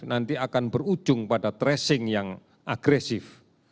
nanti akan berujung pada tracing yang agresif